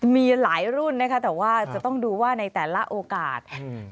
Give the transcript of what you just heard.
มีหลายรุ่นนะคะแต่ว่าจะต้องดูว่าในแต่ละโอกาสอืม